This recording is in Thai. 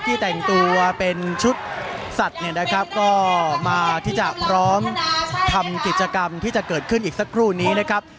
แต่งตัวเป็นชุดสัตว์เนี่ยนะครับก็มาที่จะพร้อมทำกิจกรรมที่จะเกิดขึ้นอีกสักครู่นี้นะครับ